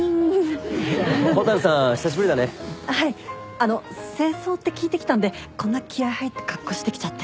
あの正装って聞いて来たんでこんな気合い入った格好してきちゃって。